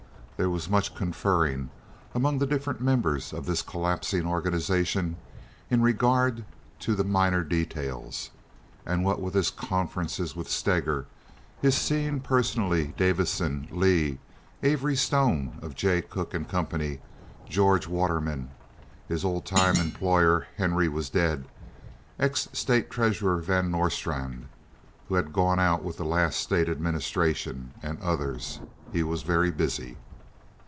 There was much conferring among the different members of this collapsing organization in regard to the minor details; and what with his conferences with Steger, his seeing personally Davison, Leigh, Avery Stone, of Jay Cooke & Co., George Waterman (his old time employer Henry was dead), ex State Treasurer Van Nostrand, who had gone out with the last State administration, and others, he was very busy.